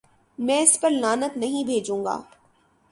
میں اس پر لعنت نہیں بھیجوں گا۔